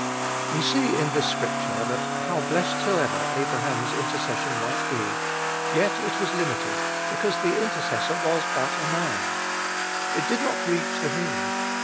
We see in this scripture that how blessed soever Abraham's intercession might be, yet it was limited, because the intercessor was but a man. It did not reach the need.